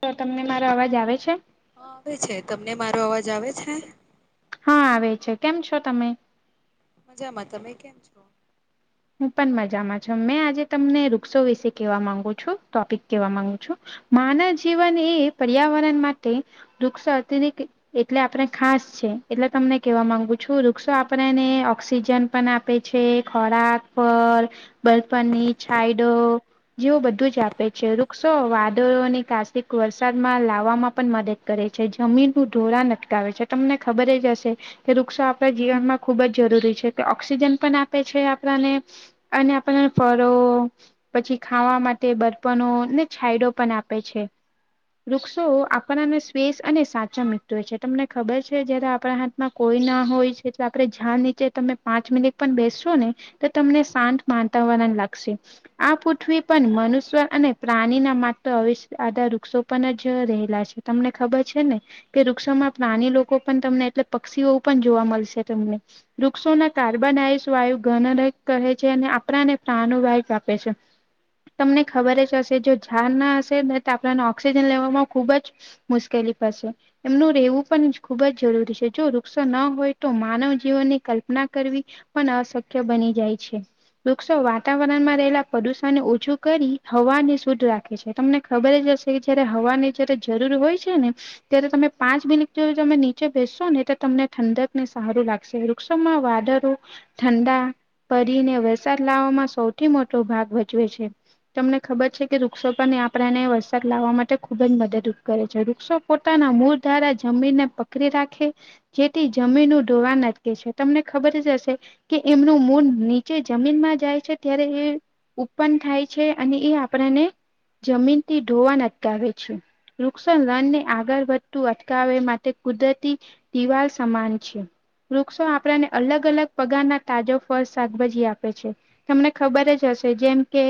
તો તમને મારો અવાજ આવે છે. હ આવે છે તમને મારો અવાજ આવે છે. હા આવે છે કેમ છો તમે. મજામાં તમે કેમ છો? હું પણ મજામાં છ મેં આજે તમને વૃક્ષો વિશે કેહેવા માંગુ છું ટોપિક કેહેવા માંગુ છું. માનવ જીવન એ પર્યાવરણ માટે દુખ એટલે આપણે ખાસ છે એટલે તમને કેવા માંગુ છું વૃક્ષો આપણેને ઓક્સિજન પણ આપ. આપે છે ખોરાક પર બલ્ફનની છાઈડો. જેવું બધું જ આપે છે વૃક્ષો વાદળોની કાસિક વરસાદમાં લાવવામાં પણ મદદ કરે છે જમીન નું ઢોળ નટકાવે છે તમને ખબર જ હશે. કે વૃક્ષો આપણા જીવનમાં ખુબ જ જરૂરી છે કે ઓક્સિજન પણ આપે છે આપણાને અને આપણ પરો પછી ખાવા માટે બર્પણ ને છાયડો પણ આપે છે વૃક્ષો આપણાને શવેસ અને સાચા મકતો હોય છે તમને ખબર છે જ્યારે આપણા. કોઈ ના હોય છે એટલે આપડે જ્યાં નીચે, તમે પાંચ મિનિટ પણ બેસશો ને તમને શાંત માનતાવરણ લાગશે, આ પૃથ્વી પણ મનુષ્ય અને પ્રાણીના માત્ર અવ આધા વૃક્ષો પણ જ રહેલા છે. તમને ખબર છે ને. કે વૃક્ષોમાં પ્રાણી લોકો પણ તમને એટલે પક્ષીઓ પણ જોવા મળશે તમને વૃક્ષોના કાર્બન આયસ વાયુ ઘન કહે છે અને આપણાને પ્રાણુ વાાઈ આપે છે તમને ખબર જ હશે જો ઝાર ના હશે ને તો, આપણને ઓક્સિજન લેવામાં ખુબ જ મુશ્કેલી પાસે એમનું રહેવું પણ ખુબ જ જરૂરી છે, જો વૃક્ષો ન હોય તો માનવ જીવનની કલ્પના કરવી પણ અશક્ય બની જાય છે. વૃક્ષો વાતાવરણ માં રહેલા પ્રદુષણને ઓછું કરી હવા ને શુદ્ધ રાખે છે. તમને ખબર જ હશે કે જયારે હવાની જયારે જરૂર હોય છે ને ત્યારે તમે પાંચ મિનિટ જો તમે નીચે બેસશો ને તો તમને ઠંડક ને સારું લાગે વૃક્ષોમાં વાદારો ઠંડા પરીને વરસાદ લાવવામાં સૌથી મોટો ભાગ ભજવે છે તમને ખબર છે કે વૃક્ષો પણ આપડાને વરસાદ લાવવા માટે ખુબ જ મદદરૂ કરે છે વૃક્ષો પોતાના મૂળ દ્વારા જમીનને પકડી રાખે, જેથી જમીન ડોવાન અટકે છે, તમને ખબર જ હશે કે એમનું મૂન નીચે જમીનમાં જાય છે ત્યારે એ ઉપન્ન થાય છે અને એ આપણા ને જમીન થી ધોવાણ નટકાવે છે. વૃક્ષો રણ ને આગળ વધતું અટકાવે માટે કુદરતી દિવાલ સમાન છે વૃક્ષો આપણાને અલગ-અલગ પગાર ના તાજો ફળ, શાકભાજી આપે છે તમને ખબર જ હશે જેમ કે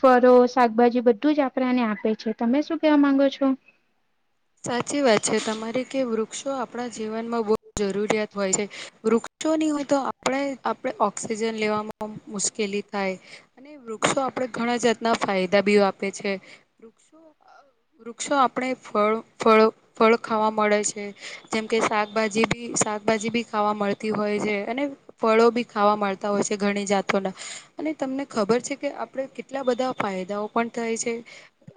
ફળ શાકભાજી બધું જ આપણાને આપે છે, તમે શું કેવા માંગો છો? સાચી વાત છે તમારે કે વૃક્ષો આપણા જીવનમાં બહુ જરૂરિયાત હોય છે વૃક્ષ શું નહ હોય તો આપણે આપણે ઓક્સિજન લેવામાં મુશ્કેલી થાય અને વૃક્ષો આપડે ઘણા જાતના ફાયદા બી આપે છે વૃક્ષો વૃક્ષો આપણે ફળ ફળ ફળ ખાવા મળે છે. જેમ કે શાકભાજી બી શાકભાજી બી ખાવા મળતી હોય છે જે અને ફળો બી ખાવા મળતા હોય છે, ઘણી જાતોના અને તમને ખબર છે કે આપડ કેટલા બધા ફાયદાઓ પણ થાય છે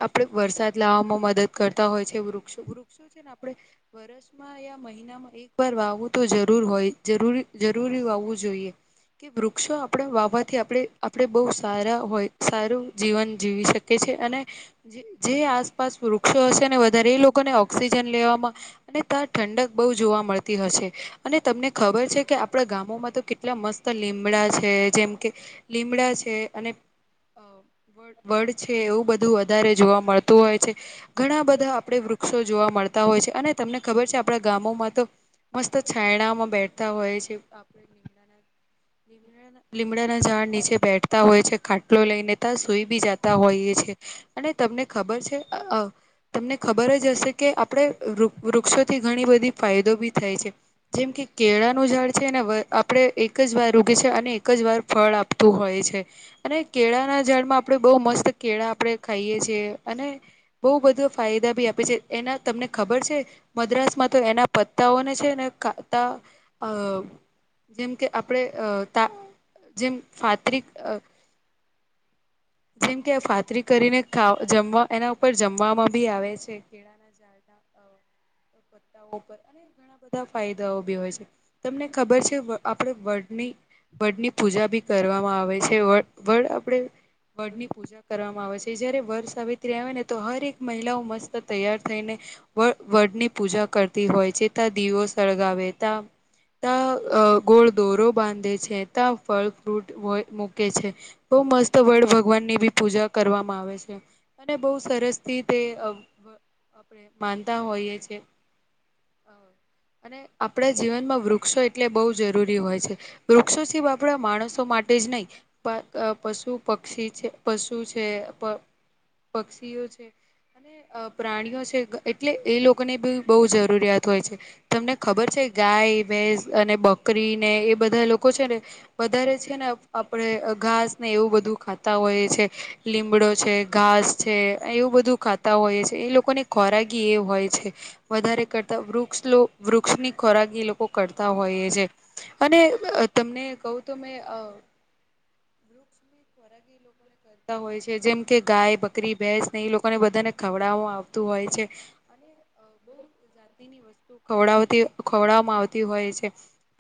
આપડ વરસાદ લાવવામાં મદદ કરતા હોય છે વૃક્ષો વૃક્ષો છે ને આપણે વરષમાં મહિનામાં એક વાર વાવવું તો જરૂર હોય જરૂરી વાવવું જોઈએ. કે વૃક્ષો આપણા વાવવાથી આપ આપણેે બહ સારા હોય સારું જીવન જીવી શકીએ છે, અને જે આસપાસ વૃક્ષો હશેને વધારે એ લોકોને ઓક્સિજન લેવામાં અને ત્યાં ઠંડક બહુ જોવા મળતી હશે અને તમને ખબર છે કે આપણા ગામોમાં તો કેટલા મસ્ત લીમડા છે જેમ કે લીમડા છે અને હ, વડ છે એવું બધું વધારે જોવા મળતું હોય છે ઘણા બધા આપડે વૃ વૃક્ષો જોવા મળતા હોય છે અને તમને ખબર છે આપણા ગામોમાં તો મસ્ત છાયણામાં બેઠતા હોય છે. લીમડાના ઝાડ નીચે બેઠતા હોય છે ખાટલો લઈને તા સુઈ બી જતા હોઈએ છ છે અને તમને ખબર છે અ તમને ખબર જ, જશે કે આપણે વૃ વૃક્ષોથી ઘણી બધી ફાયદો બી થાય છે. જેમ કે કેળાનું ઝાડ છે એને આપણે એક જ વાર રોપીએ છે અને એક જ વાર ફળ આપ તુ હોય છે. અને કેળાના ઝાડમાં આપણે બહુ મસ્ત કેળા આપણે ખાઈએ છીએ અને બઉુ બધું ફાયદા બી આપ પછી એના તમને ખબર છે મદ્રાસમાં તો એના પત્તાઓને છે ને ખાતા અ જેમ કે આપણે અ તા જેમ ફાતરિક અ જેમ કે આ ફાતરી કરીને ખા જમવા એના ઉપર જમવામાં બી આવે છે કેળા ના જાડા અ પતાઓ અને ઘણા બધા ફાયદાઓ બી હોય છે તમને ખબર છે અ આપણે વડની વડની પૂજા ભી કરવામાં આવે છે વડ આપણે બર્ડની પૂજા પૂજા કરવામાં આવે છે જ્યારે વર્ષ સાવિત્રી આવે ને તો હર એક મહિલાઓ મસ્ત તૈયાર થઈને વડ વડની પૂજા કરતી હોય છેતા દીવો સળગાવે તા ત્યા ગોળ દોરો બાંધે છે ત્યા ફળ ફ્રૂટ હોય મૂકે છે બહુ મસ્ત વડ ભગવાનની બી પૂજા કરવામાં આવે છે અને બહુ સરસ થી તે આપણે માનતા હોઈએ છે અને આપણા જીવનમાં વૃક્ષો એટલે બહુ જરૂરી હોય છે વૃક્ષો જીવ આપણા માણસો માટે જ નહીં પર પશુ પક્ષી છે પશુ છે પક્ષીઓ છે અને પ્રાણીઓ છે એટલે એ લોકોને બી બહુ જરૂરિયાત હોય છે તમને ખબર છે ગાય ભેસ અને બકરી ને એ બધા લોકો છે ને વધારે છે ને આપણે ઘાસ ને એવું બધું ખાતા હોય છે લીમડો છે ઘાસ છે એવું બધું ખાતા હોઈ છે એ લોકોની ખોરાક કે એ હોય છે વધારે કરતા વૃક્ષ વૃક્ષની ખોરાક એ લોકો કરતા હોય છે અને તમને કહું તો મે અ વૃક્ષની વરખ એ લોકો હોય છે જેમ કે ગાય બકરી ભેંસને એ લોકોને બધાને ખવડાવામા આવતું હોય છે અને અ બહુ જાતિની વસ્તુ ખવડાતી ખવડાવવામાં આવતી હોય છે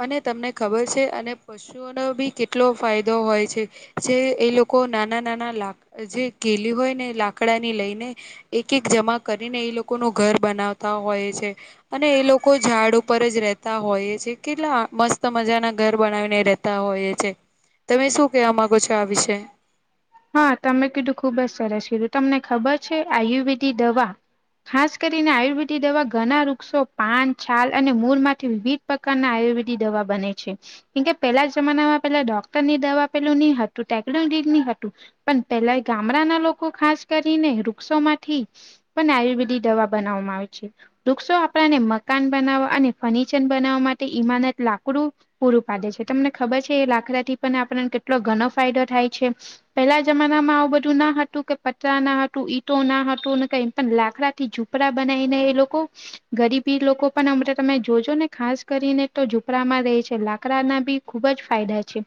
અને તમને ખબર છે અને પસુ પશુઓનો બી કેટલો ફાયદો હોય છે જે એ લોકો નાના નાના લાક જે કેલી હોય ને લા લાકડાની લઈને એક એક જમા કરીને એ લોકોનું ઘર બનાવતા હોય છે અને એ લોકો ઝાડ ઉપર જ રેતા હોય છે કેટલા મસ્ત મજા ના ઘર બનાવીને રેતા તાઓ હોય એ છે તમે શું કેવા માંગો છો આ વિશે હા તમે કીધું ખુબ જ સરસ કીધું તમને ખબર છે આયુર્વેદી દવા ખાસ કરીને આયુર્વેદિક દવા ઘણા વૃક્ષો પાન છાલ અને મૂળ માંથી વિવિધ પ્રકારના આયુર્વેદિક દવા બને છે કેમ પેલા જમાનામાં પેલા ડૉ. ડોક્ટર ની દવા પેલું નહી હતું ટેકલો ની નઇ હતું પણ પેલા ગામડાના લોકો ખાસ કરીને વૃક્ષોમાંથી પણ આયુર્વેદિક દવા બનાવવામાં આવે છે વૃક્ષો આપણાને મકાન બનાવવા અને ફર્નિચર બનાવવા માટે ઇમાનત લાકડું પૂરું પાડે છે તમને ખબર છે એ લાકડાથી પણ આપણને કેટલો ઘણો ફાયદો થાય છે પેલા જમાનામાં આવું બધું ના હતું કે પતરા ના હતું ઈટો ના હતું ને કઈ પણ લાકડા થી ઝૂપડા બનાવીને એ લોકો ગરીબી લોકો પણ અમલા તમે જોજો ને ખાસ કરીને તો ઝુપડામાં રે છે લાકડા ના બી ખુબ જ ફાયદા છે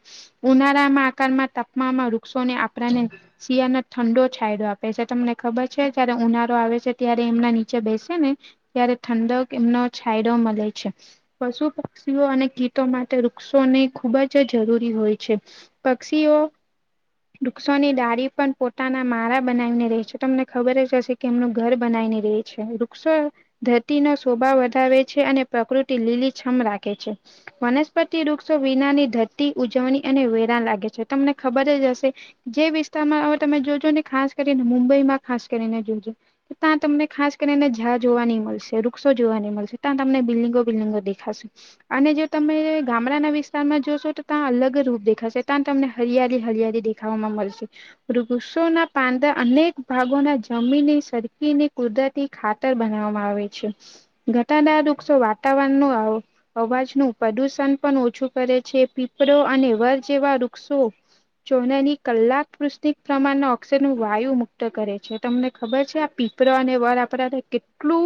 ઉનાળામાં આકારમાં તાપમામાં વૃક્ષોને આપણાને શિયાળને ઠંડો છાયડો આપે છે તમને ખબર છે જયારે ઉનારો આવે છે ત્યારે એમના નીચે બેસે ને ત્યારે ઠંડક એમનો છાયડો મળે છે પશુ પક્ષીઓ અને ગીતો માટે વૃક્ષો ને ખુબ જ જરૂરી હોય છે પક્ષીઓ વૃક્ષોની ડાળી પણ પોતાના મારા બનાવીને રહે છે. તમને ખબર જ હશે કે એમનું ઘર બનાઈ ને રેય છે વૃક્ષો ધરતીના શોબા વધાવે છે, અને પ્રકૃતિ લીલીછમ રાખે છે. વનસ્પતિ વૃક્ષો વિનાની ધરતી ઉજવની અને વેરા લાગે છે તમને ખબર જ હશે જે વિસ્તામાં હવે તમે જોજો ને ખાસ કરીને મુંબઈમાં ખાસ કરીને જોજો તા તમને ખાસ કરીનેને ઝા જોવા ની મલશે વૃક્ષો જોવાની મલશે ત્યાં તમને બિલિગો બિલ્ડિગો દેખાશે. અને જો તમે ગામડાના વિસ્તારમાં જોશો તો ત્યાં અલગ રૂપ દેખાશે ત્યાં તમને હરિયાલી હરિયાળી દેખાવામાં મલશે. વૃક્ષોના પાંદા અનેક ભાગોના જમીની સરખીની કુદરતી ખાતર બનાવવામાં આવે છે. ઘટાદાર વૃક્ષો વાતાવરણ નું આવ અવાજનું પ્રદુષણ પણ ઓછું કરે છે. પીપળો અને વર જેવા વૃક્ષો ચોનેની કલાક પૃષ્ટિ પ્રમાણ ઓક્સિજન વાયુ મુક્ત કરે છે. તમને ખબર છે? આ પી [unintelligible] રો અને વર આપરારે કેટલું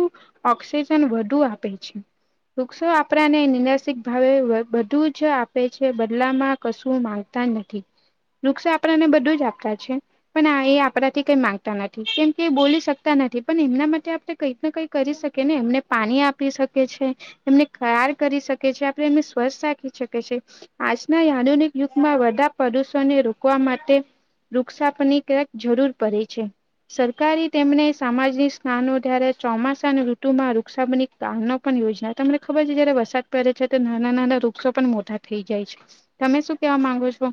ઓક્સિજન વધુ આપે છે. વૃક્ષો આપરાને નિનાશિક ભાવે બધું જ આપે છે. બદલામાં કશું માંગતા નથી. નુક્ષો આપણને બધું જ આપતા છે. પણ એ આપડાથી કઈ માંગતા નથી, કેમ કે એ બોલી શકતા નથી પણ એમના માટે આપડે કંઈક ન કંઈક કરી શકે ને એમને પાણી આપી શકે છે. એમને ખાર કરી શકે છે. આપણે એમને સ્વસ્થ રાખી શકી છે. આજના યા આધુનિક યુગમાં વધા પ્રદુષણને રોકવા માટે વૃક્ષાપની કરેક જરૂર પડે છે. સરકારી તેમને સામાજીની સ્નાનો દરે ચોમાસાના ઋતુમાં વૃક્ષાબની તો આ ન પણ યોજના તમને ખબર છે જયારે વરસાદ પડે છે, તો નાના- નાના વૃક્ષો પણ મોટા થઈ જાય. તમે શું કેવા માંગો છો?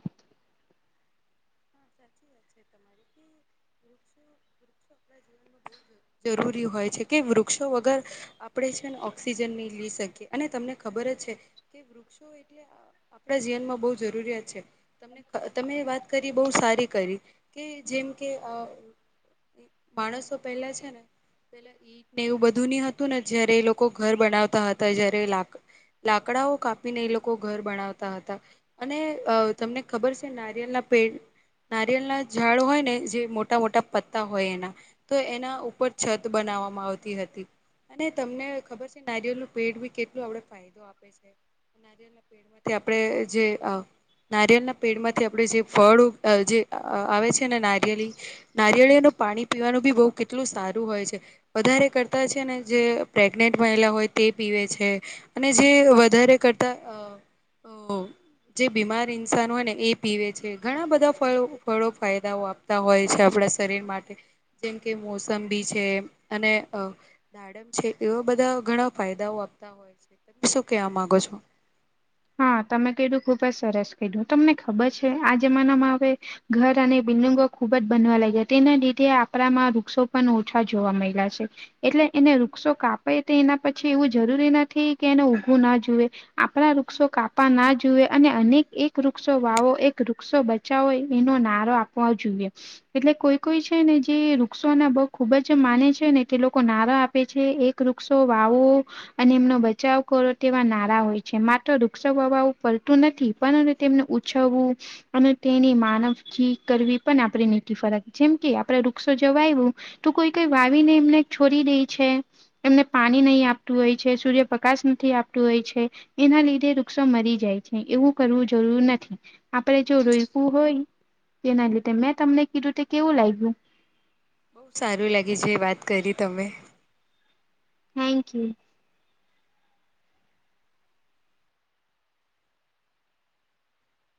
[unintelligible] જરૂરી હોય છે, કે વૃક્ષો વગર આપણે છે ને ઓક્સિજન ની લી શકીએ અને તમને ખબર જ છે, કે વૃક્ષો આપણા જીવનમાં બો જરૂરિયાત છે. તમને તેમે વાત બોવ સારી કરી કે જેમ કે અ માણસો પેલા છેને પેલા ઈટ ને એવું બધું ની હતું ને જયારે એ લોકો ઘર બનાવતા હતા. જયારે લાક લાકડાઓ કાપીને એ લોકો ઘર બનાવતા હતા. અને અ તમને ખબર છે? નારિયલ ના પેડ નારિયેલ ના ઝાડ હોય ને જે મોટા- મોટા પત્તા હોય એના તો એના ઉપર છત બનાવામાં આવતી હતી. અને તમને ખબર છે? નારિયેલ નું પેડ ભી કેટલું આપડ ફાયદો આપે છે. નારિયના પેમાંથી આપણે જે નારિયળના પેડમાંથી આપણે જે ફળ અ જે આવે છેને. નારિયેલી નારિયેળીનું પાણી પીવાનું બી બવ કેટલું સારું હોય છે. વધારે કરતા છે ને જે પ્રેગ્નેન્ટ મહિલા હોય તે પીવે છે. અને જે વધારે કરતા અ અવ જે બીમાર ઇન્સાન હોય ને એ પીવે છે. ઘણા બધા [unintelligible] ફળો ફાયદાઓ આપતા હોય છે, આપણા શરીર માટે જેમ કે મોસંબી છે, અને દાડમ છે, એવા બધા ઘણા ફાયદાઓ આપતા હોય છે. તમે શું કેવા માંગો છો? હા તમે કીધું ખુબ જ સરસ કીધું. તમને ખબર છ? આ જમાનામાં હવે ઘર અને બિલ્ડિંગો ખુબ જ બનવા લાગ્યા તેના લીધે આપરામાં વૃક્ષો પણ ઓછા જોવા મયલા છે. એટલે એને વૃક્ષો કાપે તેના પછી એવું જરૂરી નથી કે એને ઊગવું ના જુએ? આપણા રૂ વૃક્ષો કાપા ના જુએ અનેક એક વૃક્ષો વાવો એક વૃક્ષો બચાવો એનો નારો આપ હોવા જોઈએ. એટલે કોઈ કોઈ છે ને જે વૃક્ષો ના બો ખુબ જ માને છેને, તે લોકો નારા આપે છે. એક વૃક્ષો વાવો અને એમનો બચાવ કરો તેવા નારા હોય છે. મા તો દુખછો [inaudible] આવું પડતું નથી પણ તેમને ઉછવવુ અને તેની માનવજીી કરવી, પણ આપણે નીતિ ફરક જેમ કે આપડે વૃક્ષો જવાયું તું કોઈ કઈ વાવીને એમને છોડી દે છે. એમને પાણી નહીં આપતું હોય છે. સૂર્યપ્રકાશ નથી આપતું હોય છે. એના લીધે એ વૃક્ષો મરી જાય છે એવું કરવું જરૂર નથી આપણે જો રોપ્યું હોય તેના ના લીધે મેં તમને કીધું તે કેવું લાગ્યું બઉુ સારું લાગે છે વાત કરી તમે થેન્ક યુ